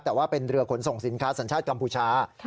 แต่ว่าเป็นเรือขนส่งสินค้าสัญชาติกัมพูชา